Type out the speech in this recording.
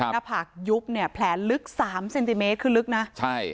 หน้าผากยุบเนี่ยแผลลึกสามเซนติเมตรคือลึกนะใช่